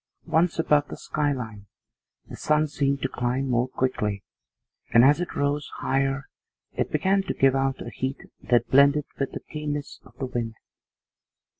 Once above the skyline, the sun seemed to climb more quickly, and as it rose higher it began to give out a heat that blended with the keenness of the wind.